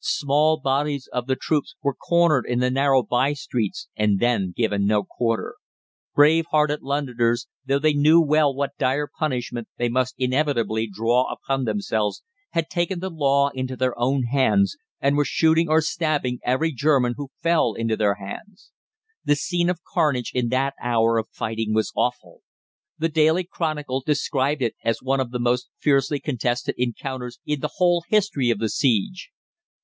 Small bodies of the troops were cornered in the narrow by streets, and then given no quarter. Brave hearted Londoners, though they knew well what dire punishment they must inevitably draw upon themselves, had taken the law into their own hands, and were shooting or stabbing every German who fell into their hands. The scene of carnage in that hour of fighting was awful. The "Daily Chronicle" described it as one of the most fiercely contested encounters in the whole history of the siege.